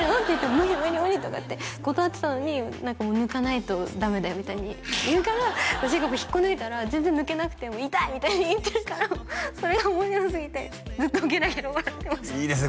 無理無理無理」とかって断ってたのに「抜かないとダメだよ」みたいに言うから私が引っこ抜いたら全然抜けなくて「痛い！」みたいに言ってるからそれが面白すぎてずっとゲラゲラ笑ってましたいいですね